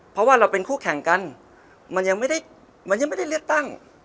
เพราะว่าเราเป็นคู่แข่งกันมันยังไม่ได้มันยังไม่ได้เลือกตั้ง